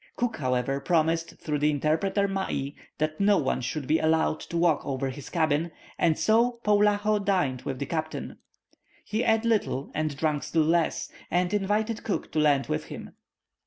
Cook, however, promised through the interpreter Mai that no one should be allowed to walk over his cabin, and so Poulaho dined with the captain. He ate little and drank still less, and invited Cook to land with him.